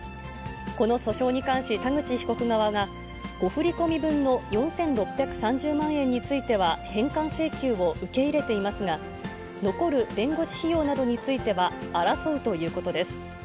この訴訟に関し、田口被告側が、誤振り込み分の４６３０万円については、返還請求を受け入れていますが、残る弁護士費用などについては争うということです。